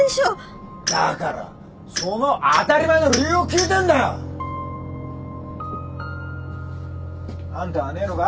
だからその当たり前の理由を聞いてんだよ。あんたはねえのか？